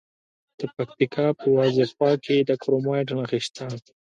د پکتیکا په وازیخوا کې د کرومایټ نښې شته.